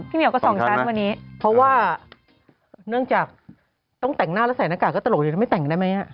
เพราะว่าเนื่องจากต้องแต่งหน้าแล้วใส่หน้ากากก็ตลกดีนะไม่แต่งได้มั้ย